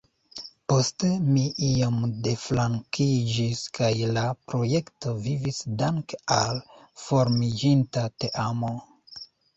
Poste mi iom deflankiĝis, kaj la projekto vivis danke al formiĝinta teamo.